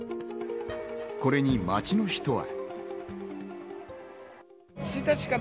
これに街の人は。